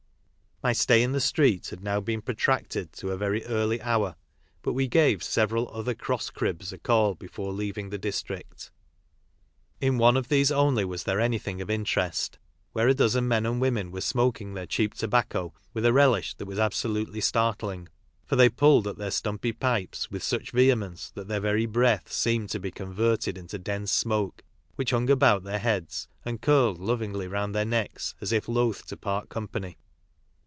My stay in the Street had now been protracted to a very early hour, but we gave several other (l cross cribs " a call before leaving the district. In CHIMIN AL M A X C 1 1 K S T K R — D K A NS G A T V, D KNS . 7 one of these only was there anything of interest, where a dozen men and women were smoking their cheap tobacco with a relish that was absolutely startling, for tbey pulled at their stumpy pipes with such vehemence that their very breath seemed to be converted into dense smoke, which hung about their heads, and curled lovingly round their necks as if loth to part company.